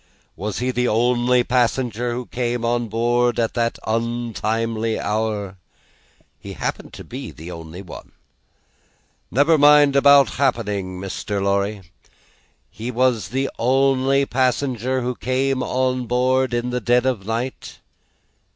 Was he the only passenger who came on board at that untimely hour?" "He happened to be the only one." "Never mind about 'happening,' Mr. Lorry. He was the only passenger who came on board in the dead of the night?"